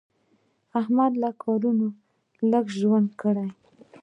احمده کارونه لږ را ژوندي کړه.